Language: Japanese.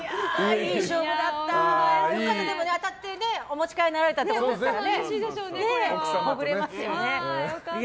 良かった、でも当たってお持ち帰りになられたってことですもんね。